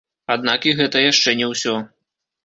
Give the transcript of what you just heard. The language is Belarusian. Аднак і гэта яшчэ не ўсё.